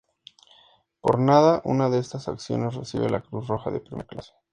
Por cada una de estas acciones recibe la Cruz roja de primera clase.